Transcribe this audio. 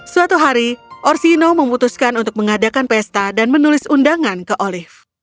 suatu hari orsino memutuskan untuk mengadakan pesta dan menulis undangan ke olive